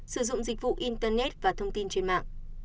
sử dụng dịch vụ internet và thông tin trên mạng